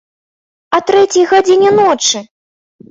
А трэцяй гадзіне ночы!